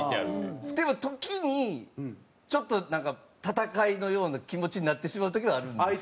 でも時にちょっとなんか戦いのような気持ちになってしまう時はあるんです。